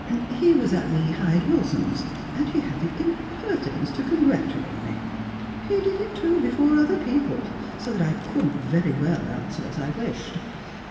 "He was at the Hyde Wilson's, and he had the impertinence to congratulate me. He did it, too, before other people, so that I couldn't very well answer as I wished.